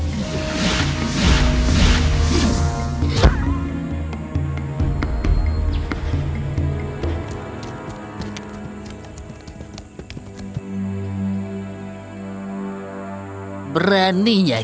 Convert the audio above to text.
sekiranya aku bisa selamatkanmu sekarang hanya ajar jangan aku